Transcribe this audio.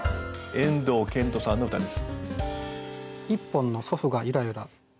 後藤啓輔さんの歌です。